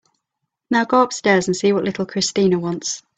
Now go upstairs and see what little Christina wants.